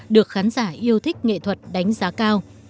được khán giả yêu thích nghệ thuật đánh giá cao